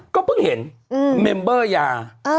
ก็เพิ่งเห็นเมมเบอร์ยา